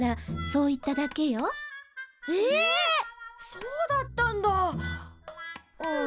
そうだったんだ！はあ。